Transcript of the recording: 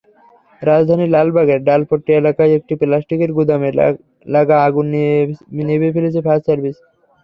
রাজধানীর লালবাগের ডালপট্টি এলাকায় একটি প্লাস্টিকের গুদামে লাগা আগুন নিভিয়ে ফেলেছে ফায়ার সার্ভিস।